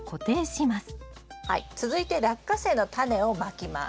続いてラッカセイのタネをまきます。